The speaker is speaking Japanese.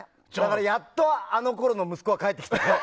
やっと、あのころの息子が帰ってきたね。